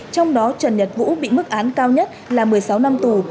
trong đó trần nhật vũ bị mức án cao nhất là một mươi sáu năm tù